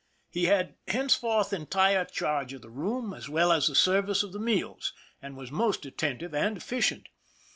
He had henceforth entire charge of the room, as well as the service of the meals, and was most attentive and efficient.